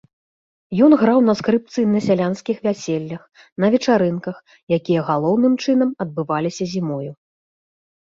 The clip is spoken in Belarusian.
Ён граў на скрыпцы на сялянскіх вяселлях, на вечарынках, якія галоўным чынам адбываліся зімою.